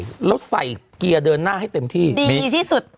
แล้วใส่เกียร์เดินหน้าให้เต็มที่ดีที่สุด